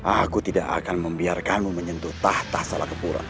aku tidak akan membiarkanmu menyentuh tahta salakapura